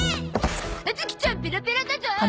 葉月ちゃんペラペラだゾ！